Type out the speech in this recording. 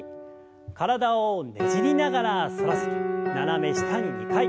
体をねじりながら反らせて斜め下に２回。